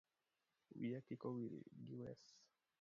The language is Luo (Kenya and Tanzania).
Wiya kik owil gi wes